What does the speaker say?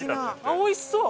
おいしそう！